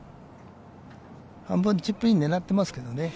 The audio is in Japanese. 半分チップインを狙っていますけどね。